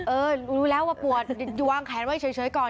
เออรู้แล้วว่าปวดวางแขนไว้เฉยก่อน